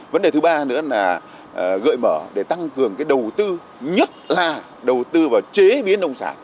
vấn đề thứ ba nữa là gợi mở để tăng cường đầu tư nhất là đầu tư vào chế biến nông sản